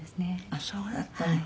あっそうだったの。